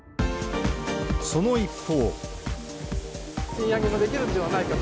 その一方。